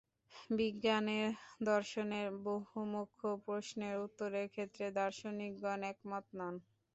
বিজ্ঞানের দর্শনের বহু মুখ্য প্রশ্নের উত্তরের ক্ষেত্রে দার্শনিকগণ একমত নন।